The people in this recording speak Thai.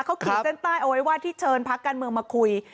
เขาขีดเส้นใต้เอาไว้ว่าที่เชิญพักการเมืองมาคุย